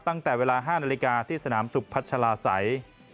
ตั้งแต่เวลา๕นาฬิกาที่สนามสุขพัชลาศัย